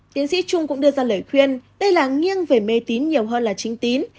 tiến sĩ trung cũng đưa ra lời khuyên đây là nghiêng về mê tín nhiều hơn là chính tín